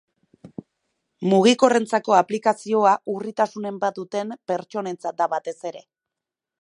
Mugikorrentzako aplikazioa urritasunen bat duten pertsonentzat da batez ere.